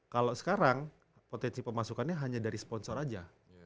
kalau sekarang potensi pemasukannya hanya dari sponsor aja